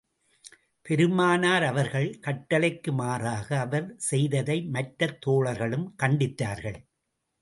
பெருமானார் அவர்கள் கட்டளைக்கு மாறாக அவர் செய்ததை, மற்ற தோழர்களும் கண்டித்தார்கள்.